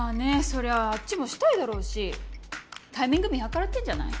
そりゃああっちもシたいだろうしタイミング見計らってんじゃない？